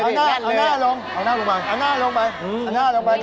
แล้วเอาน่าเอาน่าลงเอาน่าลงไป